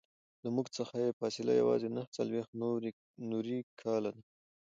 له موږ څخه یې فاصله یوازې نهه څلویښت نوري کاله ده.